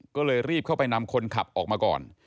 ก็เลยรีบเข้าไปนำคนขับออกมาก่อน